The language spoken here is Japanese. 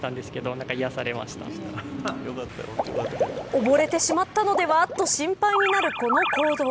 溺れてしまったのではと心配になるこの行動。